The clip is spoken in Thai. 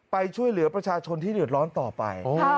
ไปช่วยเหลือประชาชนที่เดือดร้อนต่อไป